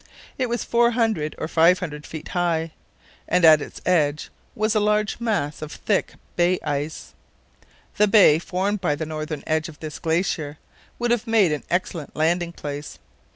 It was 400 or 500 ft. high, and at its edge was a large mass of thick bay ice. The bay formed by the northern edge of this glacier would have made an excellent landing place.